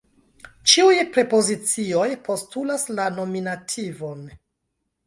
Ĉiuj prepozicioj postulas la nominativon.